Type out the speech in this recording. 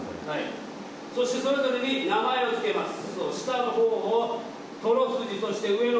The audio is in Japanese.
そして、それぞれに名前をつけます。